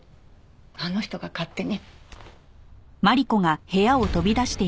あの人が勝手に。